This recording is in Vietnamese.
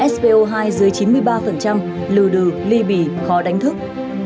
spo hai dưới chín mươi ba lưu đừ ly bì khó đánh thức